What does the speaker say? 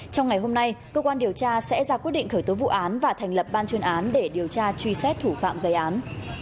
trong ngày hôm nay cơ quan điều tra sẽ ra quyết định khởi tố vụ án và thành lập ban chuyên án để điều tra truy xét thủ phạm gây án